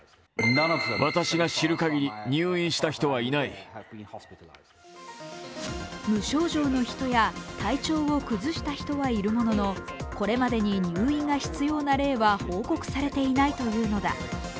しかし無症状の人や体調を崩した人はいるものの、これまでに入院が必要な例は報告されていないというのだ。